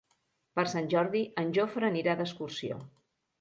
Per Sant Jordi en Jofre anirà d'excursió.